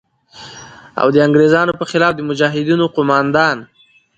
او د انگریزانو په خلاف د مجاهدینو قوماندان